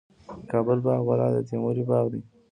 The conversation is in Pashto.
د کابل باغ بالا د تیموري باغ دی